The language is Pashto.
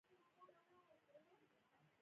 زمرد د افغانانو ژوند اغېزمن کوي.